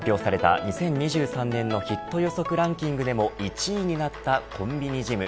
昨日発表された２０２３年のヒット予測ランキングでも１位になったコンビニジム。